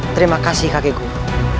terima kasih kakek guru